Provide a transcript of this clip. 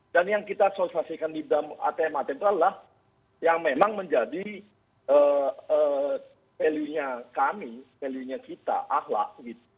dan yang kita sosialisasikan di atm atm itu adalah yang memang menjadi value nya kami value nya kita ahlak